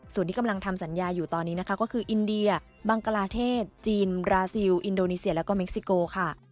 ส่วนที่กำลังทำสัญญาอยู่ตอนนี้นะคะก็คืออินเดียบังกลาเทศจีนบราซิลอินโดนีเซียแล้วก็เม็กซิโกค่ะ